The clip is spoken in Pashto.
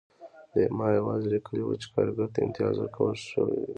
ما یوازې لیکلي وو چې کارګر ته امتیاز ورکړل شوی دی